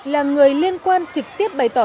là người liên quan trực tiếp bày tỏ